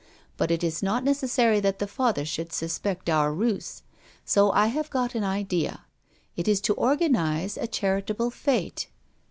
But it is not necessary that the father should suspect our ruse. So I have got an idea; it is to organize a charitable fête.